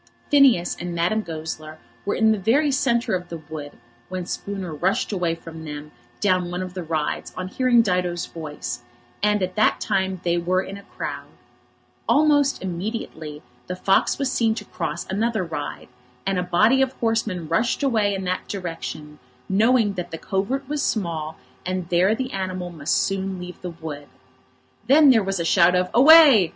Phineas and Madame Goesler were in the very centre of the wood when Spooner rushed away from them down one of the rides on hearing Dido's voice; and at that time they were in a crowd. Almost immediately the fox was seen to cross another ride, and a body of horsemen rushed away in that direction, knowing that the covert was small, and there the animal must soon leave the wood. Then there was a shout of "Away!"